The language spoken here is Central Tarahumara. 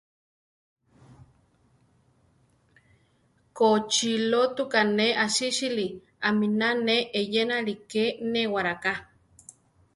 Kochilótuka ne asísili, aminá ne eyénali, ké néwaraká.